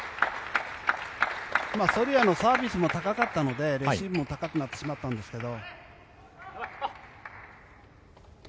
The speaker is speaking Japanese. ソルヤのサービスも高かったのでレシーブも高くなってしまったんですけど。